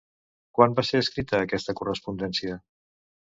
Quan va ser escrita aquesta correspondència?